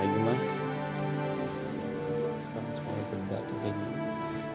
kamu semua benar benar terlalu